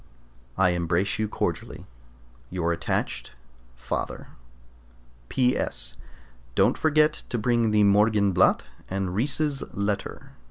I embrace you cordially. Your attached FATHER. P.S. Don't forget to bring the "Morgenblatt" and Ries's letter.